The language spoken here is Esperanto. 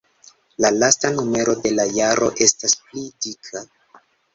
La lasta numero de la jaro estas pli dika.